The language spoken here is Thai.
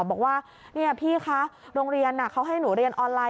บอกว่านี่พี่คะโรงเรียนเขาให้หนูเรียนออนไลน